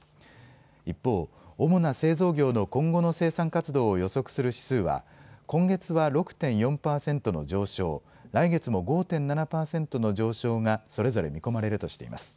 一方、主な製造業の今後の生産活動を予測する指数は今月は６．４％の上昇、来月も５．７％の上昇がそれぞれ見込まれるとしています。